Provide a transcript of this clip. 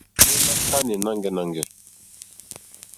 Òrzìɲɛ́ ná kánɛ̀ nâŋɡɛ́nâŋɡɛ̂.